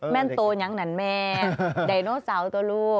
แม่นโตยังไงแม่ดันโนเสาร์ตัวลูก